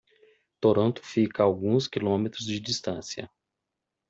Toronto fica a alguns quilômetros de distância.